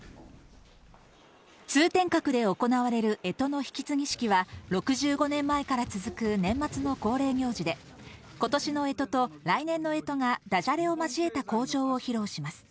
通天閣で行われるえとの引き継ぎ式は、６５年前から続く年末の恒例行事で、ことしのえとと、来年のえとがだじゃれを交えた口上を披露します。